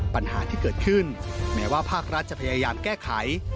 ปัญหาที่เกิดขึ้นแม้ว่าภาครัฐจะพยายามแก้ไข